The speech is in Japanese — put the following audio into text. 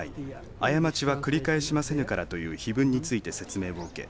過ちは繰り返しませぬからという碑文について説明を受け